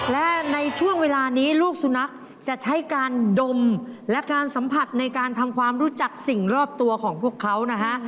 และในช่วงเวลานี้ลูกสุนัขจะใช้การดมและการสัมผัสในการทำความรู้จักสิ่งรอบตัวของพวกเขานะฮะ